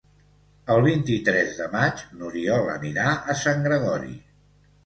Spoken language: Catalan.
El vint-i-tres de maig n'Oriol anirà a Sant Gregori.